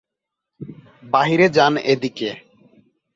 বাহিরে যান এদিকে!